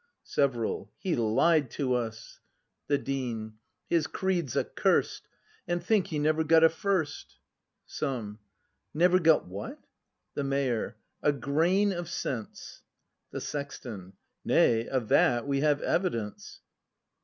Several. He lied to us! ACT V] BRAND 279 The Dean. His creed's accursed; And think, he never got a First ! Some. Never got what? The Mayor. • A grain of sense. The Sexton. Nay, of that we have evidence!